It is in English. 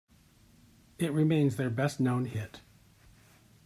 It remains their best-known hit.